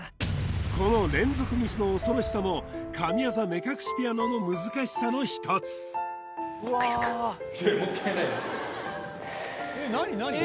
この連続ミスの恐ろしさも神業目隠しピアノの難しさの一つもう一回ないです